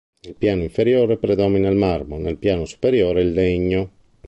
Nel piano inferiore predomina il marmo, nel piano superiore il legno.